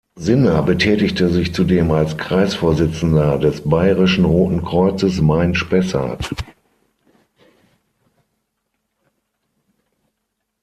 Sinner betätigte sich zudem als Kreisvorsitzender des Bayerischen Roten Kreuzes Main-Spessart.